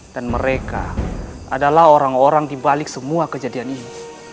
dan mereka adalah orang orang dibalik semua kejadian ini